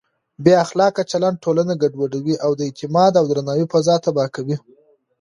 بې اخلاقه چلند ټولنه ګډوډوي او د اعتماد او درناوي فضا تباه کوي.